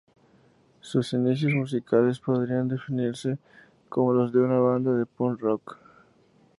Sus inicios musicales podrían definirse como los de una banda de Punk Rock.